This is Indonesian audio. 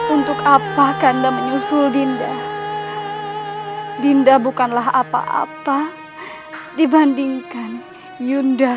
untuk apa kanda menyusul dinda dinda bukanlah apa apa dibandingkan yunda